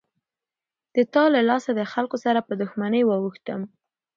د تا له لاسه دخلکو سره په دښمنۍ واوښتم.